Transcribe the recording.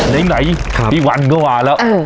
ไหนไหนครับพี่วันก็ว่าแล้วอืม